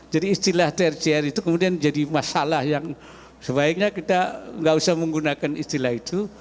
jadi istilah trcr itu kemudian jadi masalah yang sebaiknya kita tidak usah menggunakan istilah itu